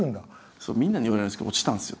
そうみんなに言われるんですけど落ちたんですよ。